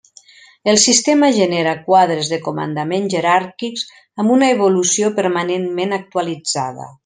El sistema genera quadres de comandament jeràrquics amb una evolució permanentment actualitzada.